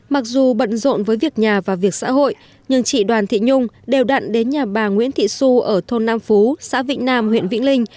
mặc dù bận rộn với việc nhà và việc xã hội nhưng chị đoàn thị nhung đều đặn đến nhà bà nguyễn thị xu ở thôn nam phú xã vĩnh nam huyện vĩnh linh